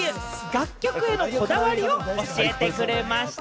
楽曲へのこだわりを教えてくれました。